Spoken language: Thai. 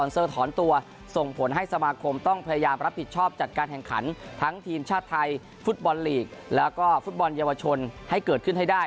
ส่งผลให้สมาคมต้องพยายามรับผิดชอบจัดการแข่งขันทั้งทีมชาติไทยฟุตบอลลีกแล้วก็ฟุตบอลเยาวชนให้เกิดขึ้นให้ได้